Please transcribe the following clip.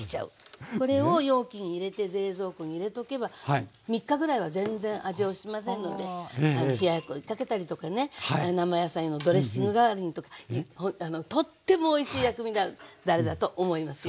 これを容器に入れて冷蔵庫に入れとけば３日ぐらいは全然味落ちませんので冷ややっこにかけたりとかね生野菜のドレッシング代わりにとかとってもおいしい薬味だれだと思いますよ。